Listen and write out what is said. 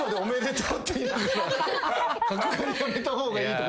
角刈りやめた方がいいとか。